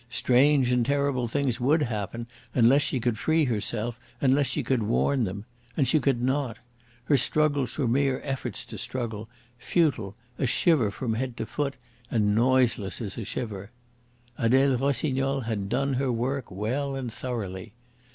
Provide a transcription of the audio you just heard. Strange and terrible things would happen unless she could free herself, unless she could warn them. And she could not. Her struggles were mere efforts to struggle, futile, a shiver from head to foot, and noiseless as a shiver. Adele Rossignol had done her work well and thoroughly.